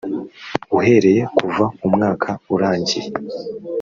uhereye kuva umwaka urangiye